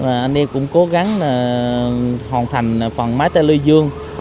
anh em cũng cố gắng hoàn thành phần máy tê lưu dương